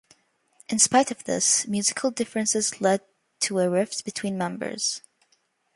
In spite of this, musical differences led to a rift between members.